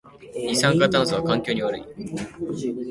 二酸化炭素は環境に悪いです